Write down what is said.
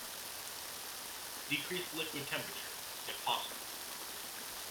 Decrease liquid temperature if possible.